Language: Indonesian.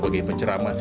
kedua memiliki pencerama